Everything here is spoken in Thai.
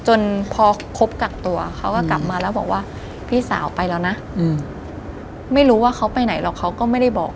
จนพอครบกักตัวเขาก็กลับมาแล้วบอกว่าพี่สาวไปแล้วนะไม่รู้ว่าเขาไปไหนหรอกเขาก็ไม่ได้บอก